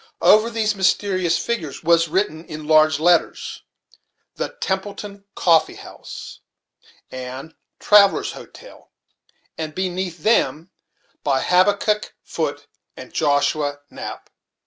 Over these mysterious figures was written, in large letters, "The Templeton Coffee house, and Traveller's Hotel," and beneath them, "By Habakkuk Foote and Joshua Knapp."